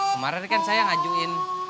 kemarin kan saya ngajuin